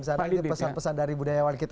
karena ini pesan pesan dari budayawan kita